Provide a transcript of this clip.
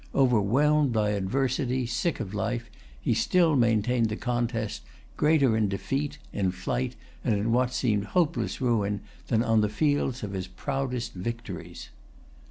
Overwhelmed by adversity, sick of life, he still maintained the contest, greater in defeat, in flight, and in what seemed hopeless ruin, than on the fields of his proudest victories.